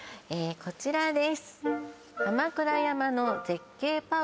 こちらです